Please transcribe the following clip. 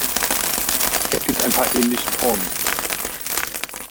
Es gibt ein paar ähnliche Formen.